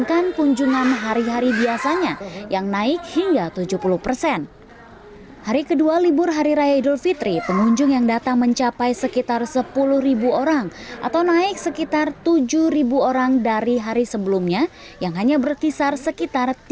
kebun raya bali